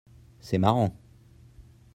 C'est marrant.